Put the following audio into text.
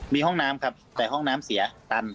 มีห้องน้ำครับแต่ห้องน้ำเสียตัน